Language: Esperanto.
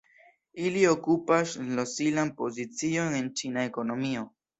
Ili okupas ŝlosilan pozicion en Ĉina ekonomio.